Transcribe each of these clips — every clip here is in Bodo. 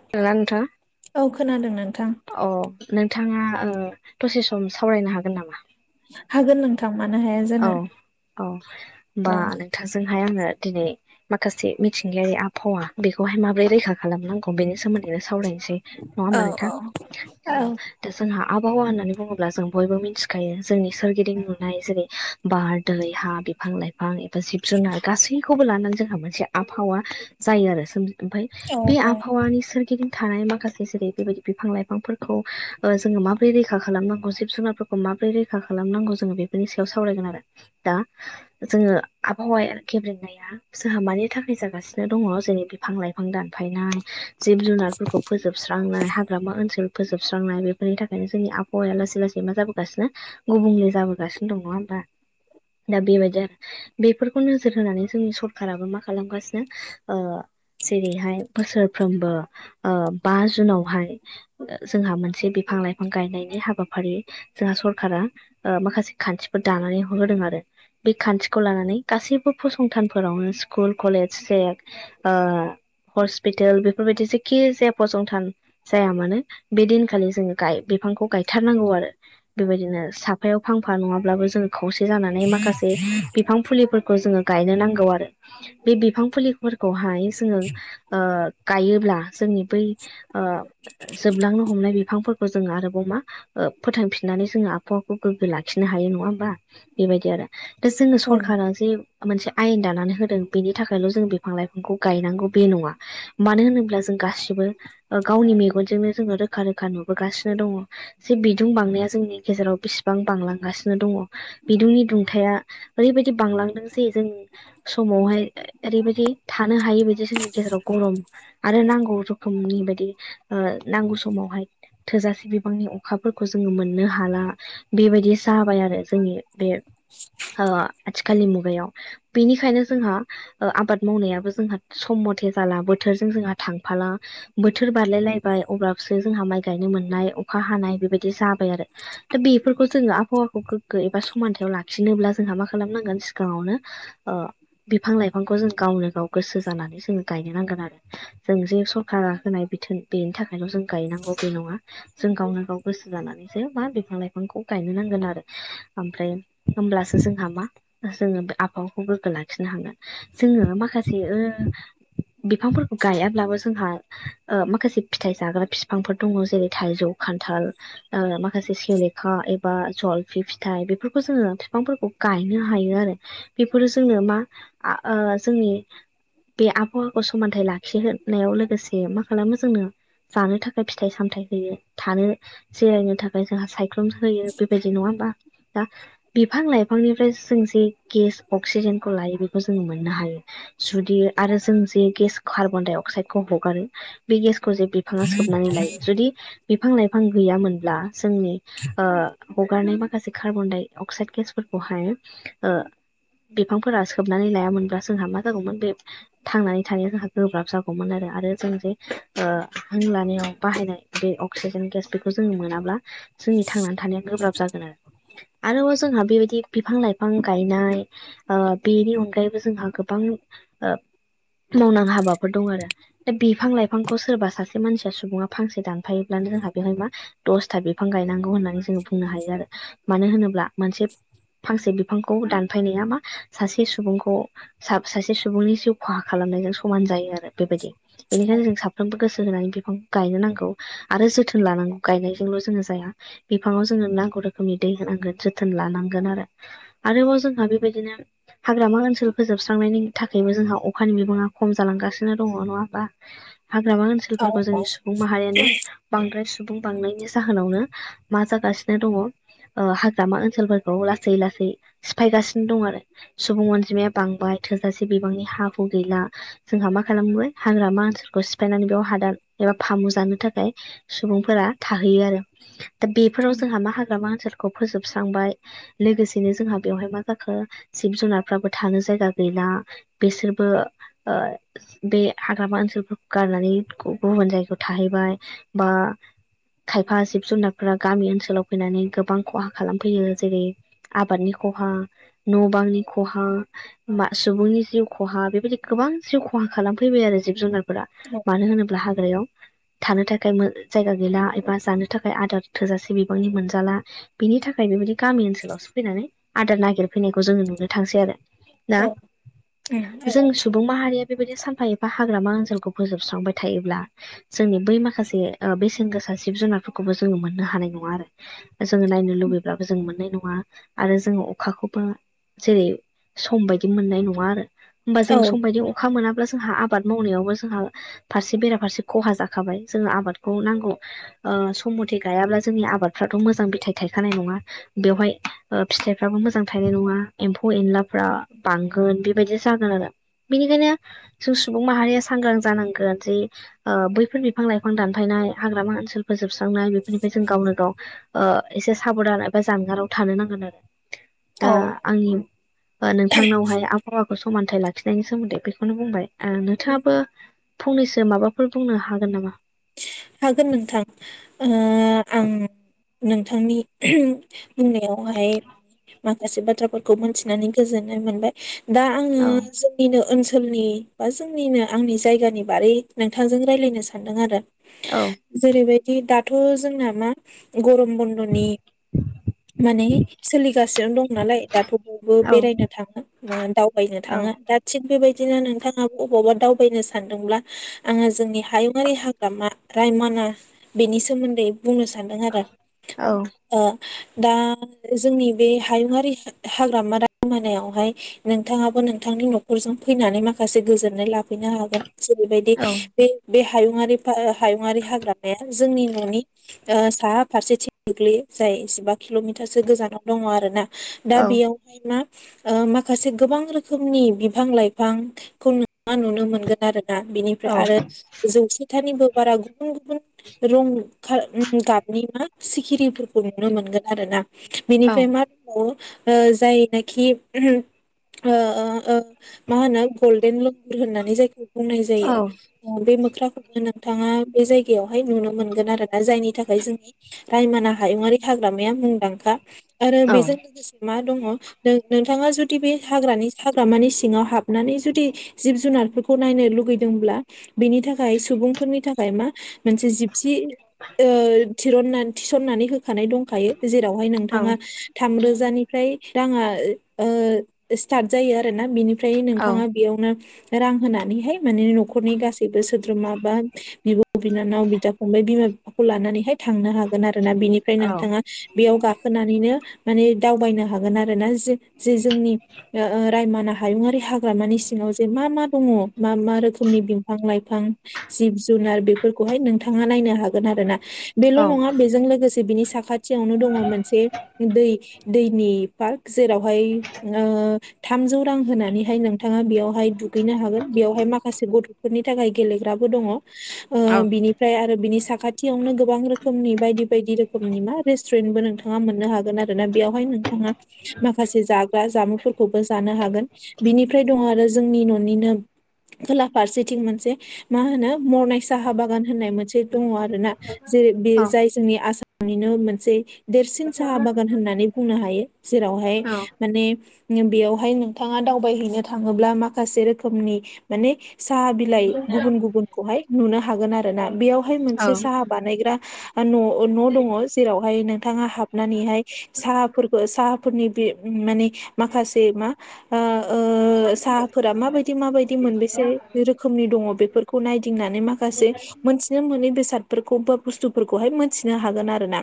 [unintelligible] औ खोनादों नोंथां। अ' नोंथाङा ओ दसे सम सावरायनो हागोन नामा? हागोन नोंथां मानो हाया औ जानो अ थांजोंहाय आङो दिनै। माखासे मिथिंगायारि आबहावा बेखौहाय माबोरै रैखा खालामनांगौ बेनि सोमोन्दैनो सावरायनोसै। नङा औ होमबा नोंथां औ। दा जोंहा आबहावा होननानै बुङोब्ला जों बयबो मिथिखायो जोंनि सोरगिदिं नुनाय जेरै बार, दै, हा, बिफां -लाइफां एबा जिब जुनार गासै खौबो लानानै जोंहा मोनसे आबहावा जायो आरो ओमफाय बे औ औ आबहावानि सोरगिदिं थानाय माखासे जेरै बेबायदि बिफां लाइफांफोरखौ ओ जोङो माबोरै रैखा खालामनांगौ जिब जुनारफोर माबोरै रैखा खालामनांगौ जोङो बेफोरनि सायाव सावरायगोन आरो दा जोङो आबहावाया गेब्रेंनाय जोहा मानि थाखाय जागासिनो दङ जोंनि बिफां लाइफां दानफायनाय जिब जुनारफोरखौ फोजोबस्रांनाय हाग्रामा ओनसोल फोजोबस्रांनाय बेफोरनि थाखायनो जोंनि आबहावाया लासै लासै मा जाबोगासिनो गुबुंले जाबोगासिनो दं नङा होमबा दा बे बादिया बेफोरखौ नोजोर होनानै जोंनि सरखाराबो मा खालामगासिनो ओ जेरैहाय बोसोरफ्रोमबो ओ बा जुनावहाय जोंहा मोनसे बिफां लाइफां गायनायनि हाबाफारि जोंहा सरखारा ओ माखासे खान्थिफोर दानानै हर होदों आरो। बे खान्थिखौ लानानै गासैबो फसंथानफोरावनो स्कुल, कलेज, जेक ओ हस्पितेल बेफोरबायदि जेखि जाया फसंथान जाया मानो बे दिनखालि जोङो गाय बिफांखौ गायथारनांगौ आरो। बेबायदिनो साफायाव फांफा नङाब्लाबो जोङो खौसे जानानै माखासे बिफां फुलिफोर खौ जोङो गायनो नांगौ आरो बे बिफां फुलिफोरखौहाय जोङो ओ गायोब्ला जोंनि बै ओ जोबलांनो हमनाय बिफांफोरखौ जोङो आरोबावा मा ओ फोथांफिननानै जोंहा आबहावाखौ गोग्गो ला खिनो हायो नङा होमबा? बेबायदि आरो दा जोंनो औ सरखारा जे मोनसे आयेन दानानै होदों बेनि थाखायल' जों बिफां लाइफांखौ गायनांगौ बे नङा। मानो होनोब्ला जों गासिबो ओ गावनि मेगनजोंनो जोङो रोखा रोखा नुबोगासिनो दङ जे बिदुं बांनाया जोंनि गेजेराव बेसेबां बांलां गासिनो दङ बिदुंनि दुंथाया ओरैबायदि बांलांदों जे जोंनि समावहाय ओरैबायदि थानो हायोबायदि जोंनि गेजेराव गरम आरो नांगौ रोखोमनि बायदि ओ नांगौ समावहाय थोजासे बिबांनि अखाफोरखौ जोङो मोननो हाला बेबायदि जाबाय आरो जोंनि बे ओ आथिखालनि मुगायाव बेनिखायनो जोंहा ओ आबाद मावनायाबो जोंहा सम मथे जाला बोथोरजों जोंहा थांफाला बोथोर बारलायलायबाय अब्लासो जोंहा माइ गायनो मोननाय अखा हानाय बेबायदि जाबाय आरो। दा बेफोरखौ जोंङो आबहावाखौ गोग्गो एबा समानथायाव लाखिनोब्ला जोंहा मा खालामनांगोन सिगांङावनो ओ बिफां लाइफांखौ जों गावनो गाव गोसो जानानै जोंङो गायनो नांगोन आरो जों जे सरकारा होनाय बिथोन बेनि थाखायल' जों गायनांगौ बे नंङा जों गावनो गाव गोसो जानानैसो मा बिफां लाइफांखौ गायनो नांगोन। आरो ओमफ्राय होमब्लासो जोंहा मा जोंङो बे आबहावाखौ गोग्गो लाखिनो हागोन जोंङो माखासे ओ बिफांफोरखौ गायाब्लाबो जोंहा ओ माखासे फिथाइ जाग्रा फिफांफोर दंङ जेरै थाइजौ खान्थाल ओ माखासे सलेखा एबा जलफि फिथाइ बेफोरखौ जोंङो फिफांफोरखौ गायनो हायो आरो बेफोरो जोंनो मा आ ओ जोंनि बे आबहावाखौ समानथाइ लाखिहोनाव लोगोसे मा खालामो जोंनो जानो थाखाय फिथाइ सामथायाइ होयो थानो जिरायनो थाखाय जोंहा सायख्लुम होयो। बेबायदि नंङाहोमबा दा बिफां लाइफांनिफ्राय जों जे गेस अक्सिजेनखौ लायो बेखौ जों मोननो हायो। जुदि आरो जों जे गेस कार्बन डाय अक्साइदखौ हगारो बे गेसखौ जे बिफांङा सोबनानै लायो जुदि बिफां लाइफां गैयामोनब्ला जोंनि ओ हगारनाय माखासे कार्बनडाइ अक्साइड गेसफोरखौहाय ओ बिफांफोरा सोबनानै लायामोनब्ला जोंहा मा जागौमोन बे थांनानै थानाया जोंहा गोब्राब जागौमोन आरो आरो जों जे ओ हां लानायाव बाहायनाय बे अक्सिजेन गेस बेखौ जों मोनाब्ला जोंनि थांनानै थानाया गोब्राब जागोन आरो। आरोबाव जोंहा बेबायदि बिफां लाइफां गायनाय ओ बेनि अनगायैबो जोंहा गोबां ओ मावनां हाबाफोर दंआरो। दा बिफां लाइफांखौ सोरबा सासे मानसिया सुबुंङा फांसे दानफायोब्लानो जोंहा बेवहाय मा दसथा बिफां गायनांगौ होननानै जोंङो बुंनो हायो आरो। मानो होनोब्ला मोनसे फांसे बिफांखौ दानफायनाया मा सासे सुबुंखौ सासे सुबुंनि जिउ खहा खालामनायजों समान जायो आरो बेबायदि। बेनिखायनो जों साफ्रोमबो गोसो होनानै बिफांखौ गायनो नांगौ। आरो जोथोन लानांगौ गायनायजोंल' जोंङो जाया बिफांङाव जोंङो जोंङो नांगौ रोखोमनि दै होनांगोन जोथोन लानांगोन आरो आरोबाव जोंहा बेबायदिनो हाग्रामा ओनसोल फोजोबस्रांनायनि थाखायबो जोंहा अखानि बिबांङा खम जालांगासिनो दंङ' नंङा होमबा? हाग्रामा औ ओनसोलफोरखौ जोंनि सुबुं माहारियानो बांद्राय सुबुं बांनायनि जाहोनावनो मा जागासिनो दंङ' ओ हाग्रामा ओनसोलफोरखौ लासै लासै सिफायगासिनो दंआरो। सुबुं अनजिमाया बांबाय थोजासे बिबांनि हा हु गैला। जोंहा मा खालामबाय हाग्रामा ओनसोलखौ सिफायनानै बेयाव हादान एबा फामु जानो थाखाय सुबुंफोरा थाहैयो आरो दा बेफोराव जोंहा मा हाग्रामा ओनसोलखौ फोजोबस्रांबाय। लोगोसेनो जोंहा बेवहाय मा जाखो जिब जुनारफ्राबो थानो जायगा गैला। बिसोरबो ओ बे हाग्रामा ओनसोल फोरखौ गारनानै गुबुन जायगायाव थाहैबाय बा खायफा जिब जुनारफोरा गामि ओनसोल ओनसोलाव फैनानै गोबां खहा खालामफैयो जेरै आबादनि खहा। न' बांनि खहा। होमबा सुबुंनि जिउ खहा बेबायदि गोबां जिउ खहा खालामफैबाय आरो जिब जुनारफोरा। औ मानो होनोब्ला हाग्रायाव थानो थाखाय मो जायगा गैला एबा जानो थाखाय आदार थोजासे बि बिबांनि मोनजाला। बिनि थाखाय बेबायदि गामि ओनसोलावसो फैनानै आदार नागिरफैनायखौ जोङो नुनो थांसैआरो। औ ना जों सुबुं माहारिया बेबायदि सानफा एफा हाग्रामा ओनसोलखौ फोजोबस्रांबाय थायोब्ला जोंनि बै माखासे ओ बेसेन गोसा जिब जुनारफोरखौबो जोङो मोननो हानाय नङा आरो। जोङो नायनो लुबैब्लाबो जों मोननाय नङा। आरो जोङो अखाखौबो जेरै सम बायदि मोननाय नङा आरो। होमबा औ जों सम बायदि अखा मोनाब्ला जोंहा आबाद मावनायावबो जोंहा फारसे बेराफारसे खहा जाखाबाय जोंङो आबादखौ नांगौ ओ सम मथे गायाब्ला जोंनि आबादफ्राथ' मोजां फिथाइ थायखानाय नङा। बेवहाय ओ फिथाइफ्राबो मोजां थायनाय नङा एम्फौ एनलाफ्रा बांगोन बेबायदि जागोनआरो बेनिखायनो जों सुबुं माहारिया सांग्रां जानांगोन जे ओ बैफोर बिफां लाइफां दानफायनाय हाग्रामा ओनसोल फोजोबस्रांनाय बेफोरनिफ्राय जों गावनो गाव ओ एसे साबधान एबा जानगाराव थानो नांगोनआरो। दा औ आंनि ओ नोंथांनावहाय आबहावाखौ समानथाइ लाखिनायनि सोमोन्दै बेखौनो बुंबाय। ओ नोंथाङाबो फंनैसो माबाफोर बुंनो हागोन नामा? हागोन नोंथां ओ आं नोंथांनि ह्राम बुंनायावहाय माखासे बाथ्राफोरखौ मोनथिनानै गोजोननाय मोनबाय दा आङो औ जोंनिनो ओनसोल लनि जोंनि बा जोंनिनो आंनि जायगानि बारै नोंथांजों रायलायनो सानदोंआरो। औ जेरैबायदि दाथ' जोंना मा गरम बन्दनि माने सोलिगासिनो दं नालाय दाथ' बो औ बेरायनो थाङो ओ दावबायनो औ थाङो दा थिग बेबायदिनो नोंथाङा ओबावबा दावबायनो सानदोंब्ला आङो जोंनि हायुंङारि हाग हाग्रामा रायमना बेनि सोमोन्दै बुंनो सानदों आरो औ ओ दा जोंनि बे हायुंङारि हाग्रामा रायमनायायावहाय नोंथाङाबो नोंथांनि न'खरजों फैनानै माखासे गोजोननाय लाफैनो हागोन। जेरैबायदि औ बे बे हायुङारि फा हायुङारि हाग्रामाया जोंनि न'नि ओ साहा फारसेथिं गोग्लैयो जाय जिबा किल'मिटारसो गोजानाव दङ आरो ना दा बेयावनो मा माखासे गोबां रोखोमनि बिफां लाइफां खौ ना नुनो मोनगोन आरोना बिनिफ्राय औ आरो जौसेथानिबो बारा गुबुन गुबुन रं गाबनि मा सिखिरिफोरखौ नुनो मोनगोन आरो ना औ बेनिफ्राय मा दंबावो ओ जायनाखि ओ ओ ओ मा होनो गल्डेन ल गुर होननानै जायखौ बुंनाय जायो बे मोख्राखौ नोंथाङा बे जायगायावहाय नुनो मोनगोन आरोना जायनि थाखाय जोंनि रायमना हायुंङारि हाग्रामाया मुंदांखा आरो बेजों औ लोगोसे मा दङ नों नोंथाङा जुदि बे हाग्रानि हाग्रामानि सिङाव हाब नानै जुदि जिब जुनारफोरखौ नायनो लुुबैदोंब्ला बिनि थाखाय सुबुंफोरनि थाखाय मा मोनसे जिबसि ओ थिरननानै थिसननानै होब खानाय दंखायो जेरावहाय औ नोंथांङा थामरोजानिफ्राय रांङा ओ स्टार्ट जायो आरो ना। बिनि फ्राय औ नोंथांङा बेयावनो रां होनानैहाय मान न'खरनि गासैबो सोदो द्रोमा बा बिब' बिनानाव बिदा फंबाय बिमा बिफाखौ लानानैहाय थांनो हागोन आरो ना बिनिफ्राय नोंथांङा बेयाव गाखोनानैनो माने दावबायनो हागोन आरो ना जे जे जोंनि ओ रायमना हायुुंङारि हाग्रामानि सिंङाव जे मा मा दंङ मा मा रोखोमनि बिफां लाइफां जिब जुनार बेफोरखौहाय नोंथांङा नायनो हागोन आरो ना। बेल' नंङा बेजों लोगोसे बिनि साखाथियावनो दंङ मोनसे दैय। दैनि पार्क जेरावहाय ओ थामजौ रां होनानैहाय नोंथांङा दुगैनो हागोन बेयावहाय माखासे गथफोरनि थाखाय गेलेग्राबो दंङ ओ बिनि फ्राय आरो बिनि साखाथियावनो गोबां रोखोमनि बायदि बायदि रोखोमनि मा रेस्टुरेन्टबो नोंथां थांङा मोननो हागोन आरोना बेयावहाय नोंथांङा माखासे जाग्रा जामुंफोरखौबो जानो हागोन। बिनिफ्राय दं आरो जोंनि न'निनो खोला फारसेथिं मोनसे मा होनो मरनाय साहा बागान होननाय मोनसे दंङ आरो ना। जेरै बे जाय जोंनि आसामनिनो मोनसे देरसिन साहा बागान होननानै बुंनो हायो जेरावहाय माने बेयावहाय नोंथांङा दावबायहैनो थांङोब्ला माखासे रोखोमनि माने साहा बि लाइ गुबुन गुबुनखौहाय नुनो हागोन आरो ना। बेयावहाय मोनसे साहा बानायग्रा न' न' दंङ जेरावहाय नोंथांङा हाब नानैहाय साहाफोरखौ साहाफोरनि बे माने माखासे मा? ओ ओ साहाफोरा माबायदि माबायदि मोनबेसे रोखोमनि दंङ? बेफोरखौ नायदिंनानै माखासे मोनथिनो मोनै बेसादफोरखौ बा बुस्थुफोरखौहाय मोनथिनो हागोन आरो ना।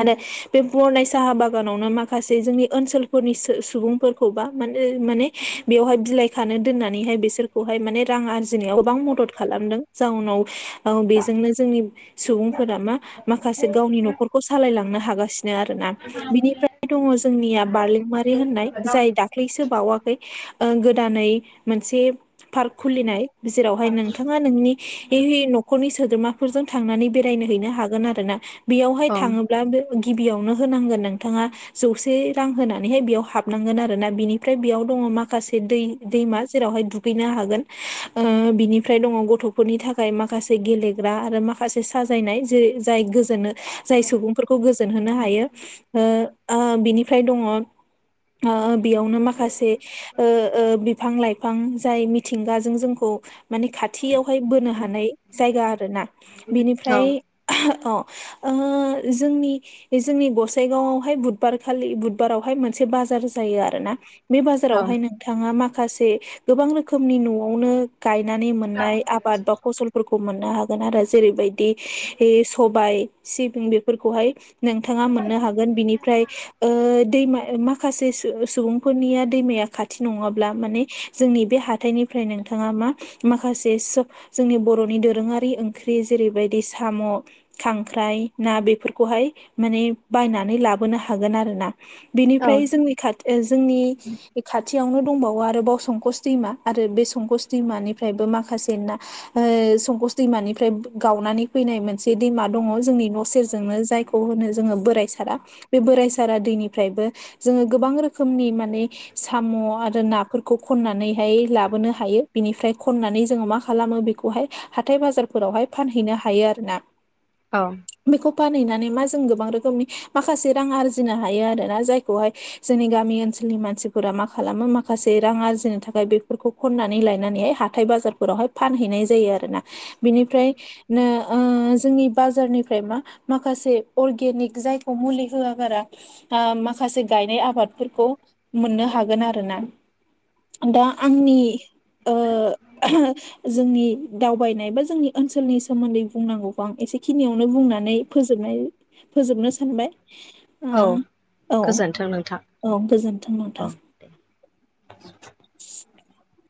आरो बे बरनाय साहा बागानावनो माखासे जोंनि ओनसोलफोरनि सुबुंफोर खौबा माने बेयावहाय बिलाइ खानो दोननानैहाय बिसोरखौहाय माने रां आरजिनो गोबां मदद खालामदों जाउनाव बेजोंनो जोंनि सुबुंफोरा मा माखासे गावनि न'खरखौ सालायलांनो हागासिनो आरो ना। बिनिफ्राय दंङ जोंनिया बारलेंमारि होननाय जाय दा दाख्लैसो बावाखै गोदानै मोनसे पार्क खुलिनाय जेरावहाय नोंथांङा नोंनि न'खरनि सोद्रोमाफोरजों थांनानै बेराय हैनो हागोन आरो ना। बेयावहाय थांङोब्ला गिबियावनो होनांगोन नोंथांङा जौसे रां होनानैहाय बेयाव हाबनांगोन आरो ना बिनिफ्राय बेयाव अदंङ माखासे दै दैमा जेरावहाय दु। गैनो हागोन। बिनिफ्राय दंङ गथ'फोरनि थाखाय माखासे गेलेग्रा आरो माखासे साजायनाय जेरैय जाय गोजोनो जाय सुबुंफोरखौ गोजोन होनो हायो बिनिफ्राय दंङ बेयावनो माखासे बिफां लाइफां जाय मिथिंगाजों जों खौ माने खाथियावहाय बोनो हानाय जायगा आरो ना बिनिफ्राय अ जोंनि बे जोंनि गसाइगावआवहाय बुधबारखालि बुधबारावहाय मोनसे बाजार जायो आरो ना। बे बाजारावहाय नोंथांङा माखासे गोबां रोखोमनि न'आवनो गायनानै मोननाय आबाद बा फसलफोरखौ मोननो हागोन आरो जेरैबायदि बि सबाय सिबिं बेफोरखौहाय नोंथांङा मोननो हागोन। बिनिफ्राय दैमा माखासे सुबुं फोनिया दैमाया खाथि नङाब्ला माने जोंनि बे हाथा इनिफ्राय नोंथाङा मा माखासे सो जोंनि बर'नि दोरोङारि ओंख्रि जेरैबायदि साम'- खांख्राइ, ना, बेफोरखौहाय माने बायनानै लाबोनो हागोन आरोना! बिनिफ्राय जोंनि खाथि ओ जोंनि खाथियावनो दंबावो आरोबाव संकस दैमा आरो बे संकस दैमानि ओमफ्रायबो माखासे ना ओ संकस दैमानिफ्राय गावनानै फैनाय मोनसे दैमा दङ जोंनि न' सेर जोंनो जायखौ होनो जोङो बोराय सारा बे बोराय सारा दैनिफ्रायबो जोङो गोबां रोखोमनि माने साम' आरो नाफोरखौ खन्नानैहाय लाबोनो हायो बिनिफ्राय खननानै जोङो मा खालामो बेखौहाय हाथाय बाजारफोरावहाय फानहैनो हायो आरो ना। औ। बेखौ फानहैनानै मा जों गोबां रोखोमनि माखासे रां आरजिनो हायो आरो ना जायखौहाय जोंनि गामि ओनसोलनि मानसिफोरा मा खालामो माखासे रां आरजिनो थाखाय बेफोरखौ खननानै लायनानैहाय हा थाय बाजारफोरावहाय फानहैनाय जायो आरोना बिनिफ्राय नो ओ जोंनि बाजारनिफ्राय मा माखासे अर्गेनिक जायखौ मुलि होयागारा आ माखासे गायनाय आबादफोरखौ मोननो हागोन आरो ना। दा आंनि ओ जों नि दावबायनाय बा जोंनि ओनसोलनि सोमोन्दै बुंनांगौखौ आं एसेखिनियावनो बुंनानै फोजोबनाय फोजोबनो सानबाय औ गोजोन्थों नोंथां औ गोजोन्थों औ नोंथां। [unintelligible]